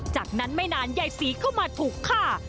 จากนั้นไม่นานยายศรีก็มาถูกฆ่า